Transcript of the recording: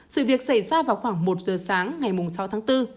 sự việc xảy ra vào khoảng một giờ sáng ngày sáu tháng bốn